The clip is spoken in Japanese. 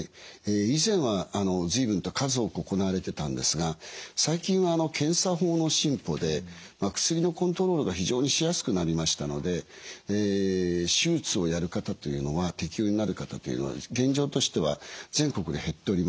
以前は随分と数多く行われてたんですが最近は検査法の進歩で薬のコントロールが非常にしやすくなりましたので手術をやる方というのは適応になる方というのは現状としては全国で減っております。